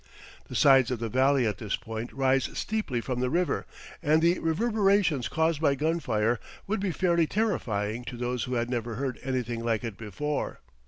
The sides of the valley at this point rise steeply from the river and the reverberations caused by gun fire would be fairly terrifying to those who had never heard anything like it before.